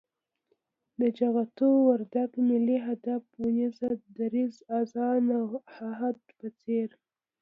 د جغتو، وردگ، ملي هدف اونيزه، دريځ، آذان او عهد په څېر